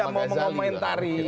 saya kan tidak mau mengomentari